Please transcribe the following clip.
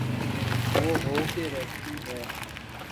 وہ ہو کے رہتی ہے۔